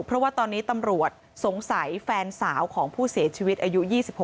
เพราะว่าตอนนี้ตำรวจสงสัยแฟนสาวของผู้เสียชีวิตอายุ๒๖